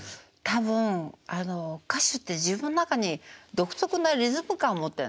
多分あの歌手って自分の中に独特なリズム感持ってるんですよね。